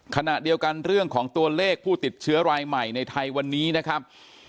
ขณะเดียวกันเรื่องของตัวเลขผู้ติดเชื้อรายใหม่ในไทยวันนี้นะครับ